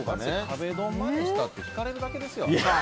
壁ドンまでしたって引かれるだけですよ。